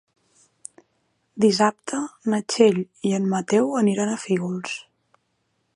Dissabte na Txell i en Mateu aniran a Fígols.